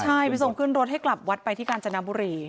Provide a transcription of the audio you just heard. ใช่ไปส่งขึ้นรถให้กลับวัดไปที่กาญจนบุรี